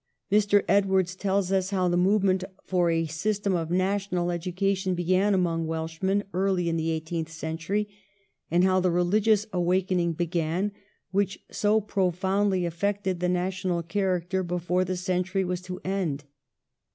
Mr. Edwards tells us how the movement for a system of national education began among Welshmen early in the eighteenth century, and how the religious awakening began, ' which so profoundly affected the national character before the century was to end.'